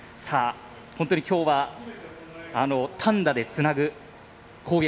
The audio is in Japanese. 本当にきょうは、単打でつなぐ攻撃。